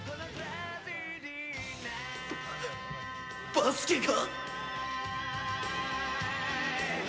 バスケが！